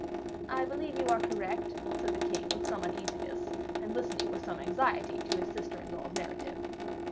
"I believe you are correct," said the king, with some uneasiness, and listening with some anxiety to his sister in law's narrative.